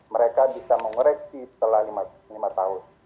mereka bisa mengoreksi setelah lima tahun